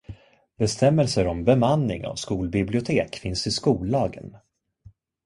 Bestämmelser om bemanning av skolbibliotek finns i skollagen.